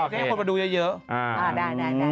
ถ้าอยากมาดูเยอะ